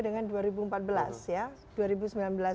dengan dua ribu empat belas ya